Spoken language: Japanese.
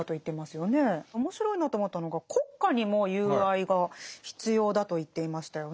面白いなと思ったのが国家にも友愛が必要だと言っていましたよね。